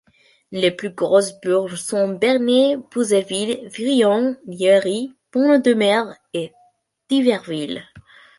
Les plus gros bourgs sont Bernay, Beuzeville, Brionne, Lieurey, Pont-Audemer et Thiberville.